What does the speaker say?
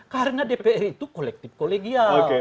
karena dpr itu kolektif kologial